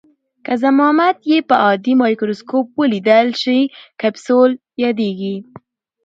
که ضخامت یې په عادي مایکروسکوپ ولیدل شي کپسول یادیږي.